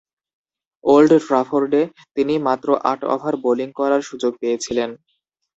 Old ট্রাফোর্ডে তিনি মাত্র আট ওভার বোলিং করার সুযোগ পেয়েছিলেন।